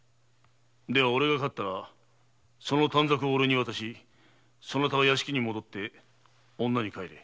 では俺が勝ったらその短冊を俺に渡しそなたは屋敷に戻って女にかえれ。